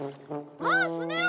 ああスネ夫！